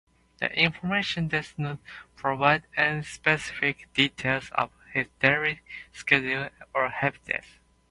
The information does not provide any specific details about his daily schedule or habits.